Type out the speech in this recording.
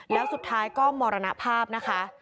แล้วสุดท้ายก็มรณภาพนะคะ